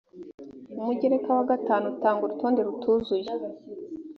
umugereka wa gatanu utanga urutonde rutuzuye